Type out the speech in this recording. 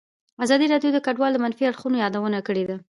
ازادي راډیو د کډوال د منفي اړخونو یادونه کړې.